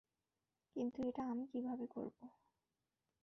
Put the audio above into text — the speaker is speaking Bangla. কিন্তু এটা আমি কিভাবে করবো?